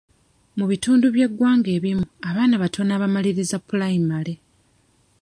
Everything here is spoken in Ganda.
Mu bitundu eby'eggwanga ebimu abaana batono abamaliririza pulayimale.